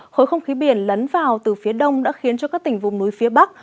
khối không khí biển lấn vào từ phía đông đã khiến cho các tỉnh vùng núi phía bắc